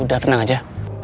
udah tenang aja